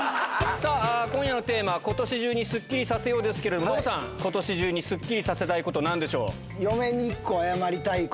さあ、今夜のテーマは、今年中にスッキリさせようですけど、ノブさん、今年中にスッキリさせたいことはなんでしょう？